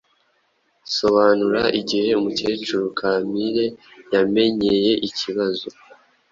Sobanura igihe umukecuru Kampire yamenyeye ikibazo